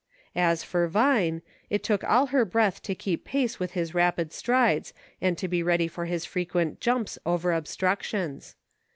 As for Vine, it took all her breath to keep pace with his rapid strides, and to be ready for his frequent "jumps "over obstructions.